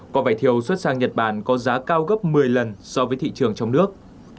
quả vải thiều xuất sang nhật bản có giá cao gấp một mươi lần so với thị trường trong nước